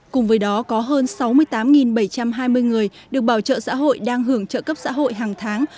cùng với đó có hơn sáu mươi tám bảy trăm hai mươi người được bảo trợ xã hội đang hưởng trợ cấp xã hội hàng tháng